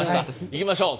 いきましょう。